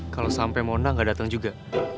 kalo sampe mona gak dateng juga